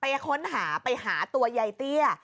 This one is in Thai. ไปค้นหาไปหาตัวยายเตี้ย